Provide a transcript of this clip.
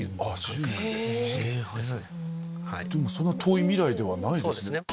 そんな遠い未来ではないですね。